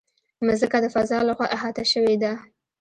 مځکه د فضا له خوا احاطه شوې ده.